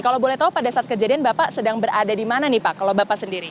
kalau boleh tahu pada saat kejadian bapak sedang berada di mana nih pak kalau bapak sendiri